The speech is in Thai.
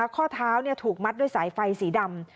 ข้อเท้าถูกมัดด้วยสายไฟสีดำ